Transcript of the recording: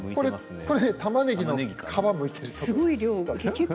たまねぎの皮をむいているんです。